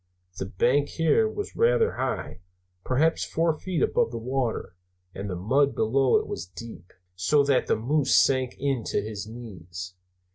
The bank here was rather high, perhaps four feet above the water, and the mud below it was deep, so that the moose sank in to his knees.